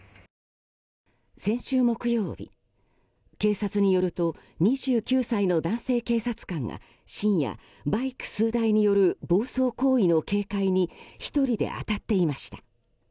先週木曜日、警察によると２９歳の男性警察官が深夜、バイク数台による暴走行為の警戒に１人で当たっていました。